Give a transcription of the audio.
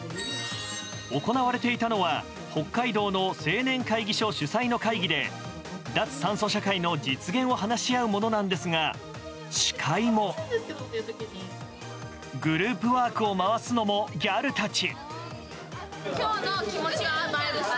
行われていたのは北海道の青年会議所主催の会議で脱炭素社会の実現を話し合うものなんですが司会もグループワークを回すのもギャルたち。